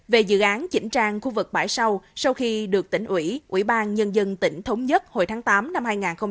về dự án chỉnh trang khu vực bãi sau sau khi được tỉnh ủy ủy ban nhân dân tỉnh thống nhất hồi tháng tám năm hai nghìn một mươi bảy